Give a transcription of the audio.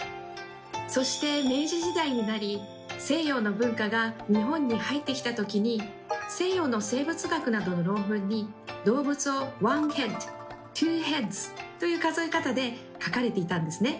そして明治時代になり西洋の文化が日本に入ってきた時に西洋の生物学などの論文に動物を「１ｈｅａｄ２ｈｅａｄｓ」という数え方で書かれていたんですね。